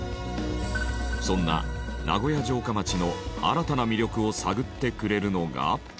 そんな名古屋城下町の新たな魅力を探ってくれるのが。